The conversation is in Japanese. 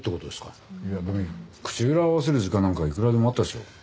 いや口裏を合わせる時間なんかいくらでもあったでしょ。